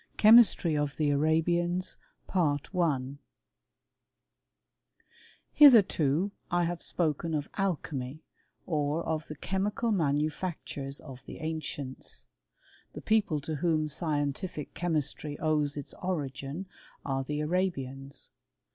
CHEMISTRY OF THE ARABIANS, ■ r Hitherto I have spoken of Alchymy, or of the ^^; mical manufactures of the ancients. The people tCK whom scientific chemistry owes its origin are the^ Arabians.